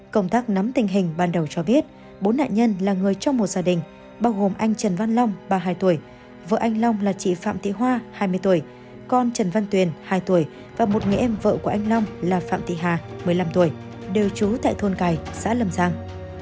công tác nắm tình hình ban đầu cho biết bốn nạn nhân là người trong một gia đình bao gồm anh trần văn long ba mươi hai tuổi vợ anh long là chị phạm thị hoa hai mươi tuổi con trần văn tuyền hai tuổi và một người em vợ của anh long là phạm thị hà một mươi năm tuổi đều trú tại thôn cài xã lâm giang